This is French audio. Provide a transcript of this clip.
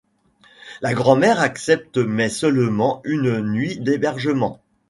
La grand-mère accepte mais seulement une nuit d'hébergement.